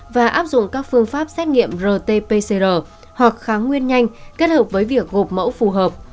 và áp dụng các phương pháp xét nghiệm rt pcr hoặc kháng nguyên nhanh kết hợp với việc gộp mẫu phù hợp